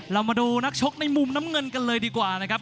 เรามาดูนักชกในมุมน้ำเงินกันเลยดีกว่านะครับ